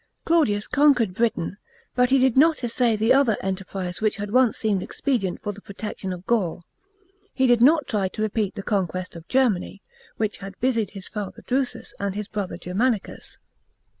§ 10. Claudius conquered Britain, but he did not essay the other enterprise which had once seemed expedient for the protection of Gaul ; he did not try to repeat the conquest of Germany, which had busied his father Drusus, and his brother Germanicus.